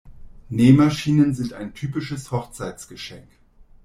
Nähmaschinen sind ein typisches Hochzeitsgeschenk.